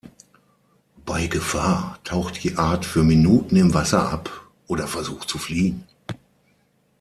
Bei Gefahr taucht die Art für Minuten im Wasser ab oder versucht zu fliehen.